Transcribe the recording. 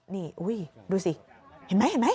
นี่อุ้ยดูสิเห็นไหม